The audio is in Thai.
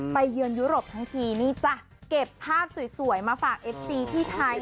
เยือนยุโรปทั้งทีนี่จ้ะเก็บภาพสวยมาฝากเอฟซีที่ไทย